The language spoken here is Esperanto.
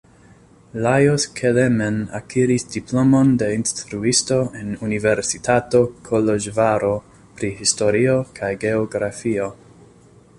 Lajos Kelemen akiris diplomon de instruisto en Universitato Koloĵvaro pri historio kaj geografio.